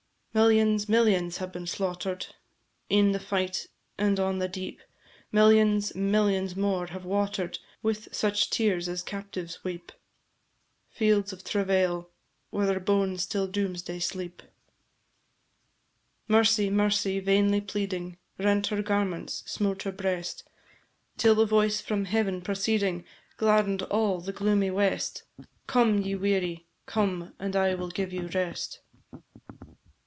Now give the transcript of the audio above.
Millions, millions, have been slaughter'd, In the fight and on the deep; Millions, millions more have water'd, With such tears as captives weep, Fields of travail, Where their bones till doomsday sleep. Mercy, Mercy, vainly pleading, Rent her garments, smote her breast, Till a voice from Heaven proceeding, Gladden'd all the gloomy west, "Come, ye weary, Come, and I will give you rest!"